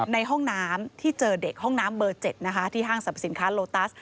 ในห้องน้ำที่เจอเด็กห้องน้ำเบอร์๗นะคะที่ห้างสรรพสินค้าโลตัส